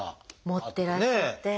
持ってらっしゃって。